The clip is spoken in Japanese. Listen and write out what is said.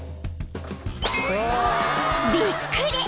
［びっくり！